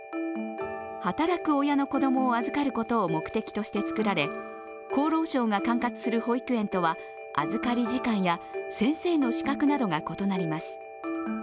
働く親の子供を預かることを目的としてつくられ厚労省が管轄する保育園とは預かり時間や先生の資格などが異なります。